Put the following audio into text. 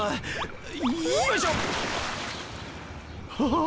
ああ！